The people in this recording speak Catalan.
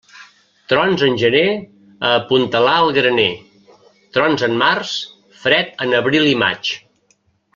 Trons en gener, a apuntalar el graner; trons en març, fred en abril i maig.